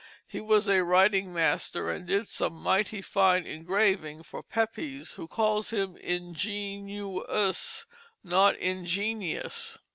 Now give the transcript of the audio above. He was a writing master, and did some mighty fine engraving for Pepys, who calls him ingenuous, not ingenious.